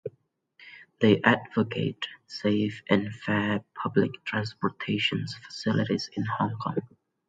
They advocate safe and fair public transportation facilities in Hong Kong.